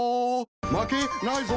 負けないぞ。